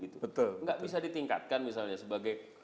tidak bisa ditingkatkan misalnya sebagai